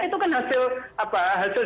itu kan hasil